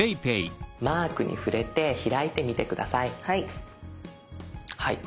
マークに触れて開いてみて下さい。